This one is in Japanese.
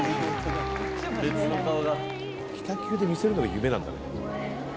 北九で見せるのが夢なんだね。